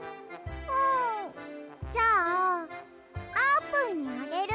んじゃああーぷんにあげる。